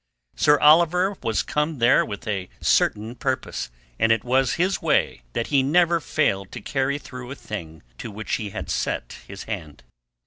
Sir Oliver was come there with a certain purpose, and it was his way that he never failed to carry through a thing to which he set his hand.